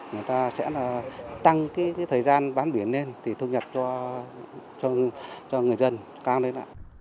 người ta sẽ là tăng cái thời gian bán biển lên thì thu nhập cho người dân cao lên